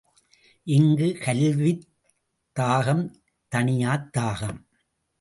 இங்குக் கல்வித் தாகம் தணியாத் தாகம்.